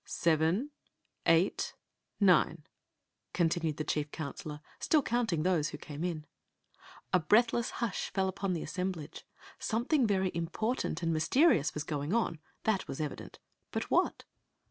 "Seven, eight, nine!" continued the chief coun selor, still counting those who came in. Story of the Magic Cloak +5 A breathless hush fell upon the assemblage. Something very important and mysterious was going on; that was evident. But what?